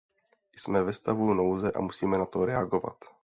Jsme ve stavu nouze a musíme na to reagovat.